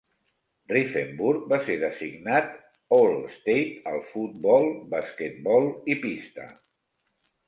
Rifenburg va ser designat All State al futbol, basquetbol i pista.